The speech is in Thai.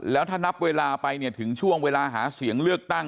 แล้วถ้านับเวลาไปเนี่ยถึงช่วงเวลาหาเสียงเลือกตั้ง